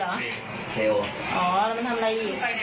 ท่านค่อย